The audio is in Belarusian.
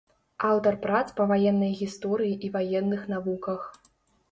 Аўтар прац па ваеннай гісторыі і ваенных навуках.